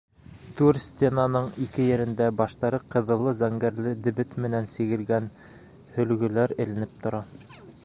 Түр стенаның ике ерендә баштары ҡыҙыллы-зәңгәрле дебет менән сигелгән һөлгөләр эленеп тора.